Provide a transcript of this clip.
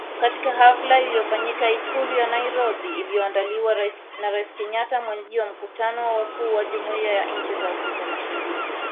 Katika hafla iliyofanyika Ikulu ya Nairobi iliyoandaliwa na Rais Kenyatta mwenyeji wa mkutano wa wakuu wa jumuhiya za inchi za Afrika ya Mashariki